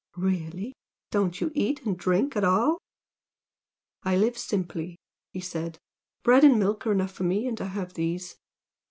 "Really! Don't you eat and drink at all?" "I live simply," he said "Bread and milk are enough for me, and I have these."